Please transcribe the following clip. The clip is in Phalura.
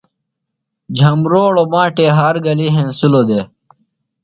جھمبروڑو ماٹے ہاریۡ گلیۡ ہنسِلوۡ دےۡ۔